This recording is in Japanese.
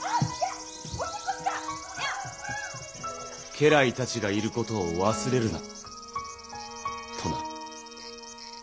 家来たちがいることを忘れるなとな。